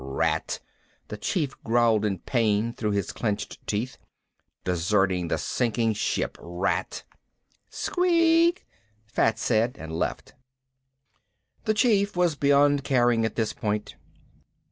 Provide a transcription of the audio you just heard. "Rat." The Chief growled in pain through his clenched teeth. "Deserting the sinking ship. Rat." "Squeak," Fats said and left. The Chief was beyond caring at this point.